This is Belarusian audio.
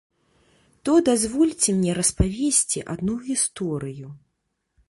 То дазвольце мне распавесці адну гісторыю.